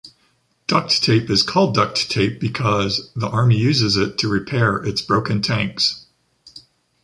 Duct tape is called duct tape because the army uses it to repair its broken tanks.